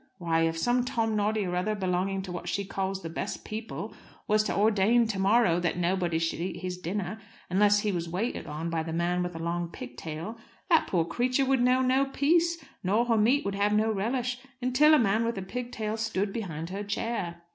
Why, if some Tomnoddy or other, belonging to what she calls "the best people," was to ordain to morrow that nobody should eat his dinner unless he was waited on by a man with a long pigtail, that poor creature would know no peace, nor her meat would have no relish until a man with a pigtail stood behind her chair.